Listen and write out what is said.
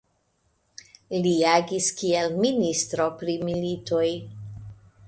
Li agis kiel ministro pri militoj.